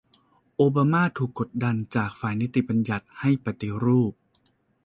โอบามาถูกกดดันจากฝ่ายนิติบัญญัติให้ปฏิรูป